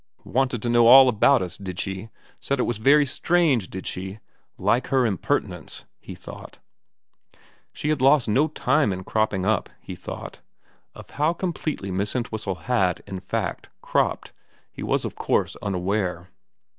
* Wanted to know all about us, did she. Said it was very strange, did she. Like her impertinence,' he thought. She had lost no time in cropping up, he thought. Of how completely Miss Eutwhistle had, in fact, cropped he was of course unaware.